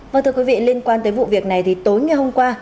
vâng thưa quý vị liên quan tới vụ việc này thì tối ngày hôm qua